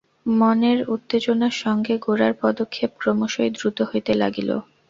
মনের উত্তেজনার সঙ্গে গোরার পদক্ষেপ ক্রমশই দ্রুত হইতে লাগিল।